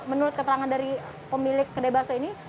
menurut keterangan dari pemilik kedai bakso ini